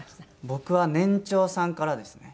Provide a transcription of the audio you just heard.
僕は年長さんからですね。